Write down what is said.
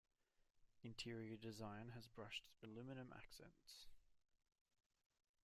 Interior design has brushed aluminium accents.